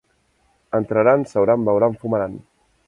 Entraran seuran beuran fumaran.